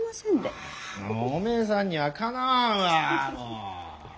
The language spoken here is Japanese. おめえさんにはかなわんわもう。